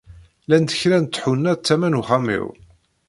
Llant kra n tḥuna tama n uxxam-iw.